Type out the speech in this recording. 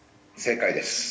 正解です。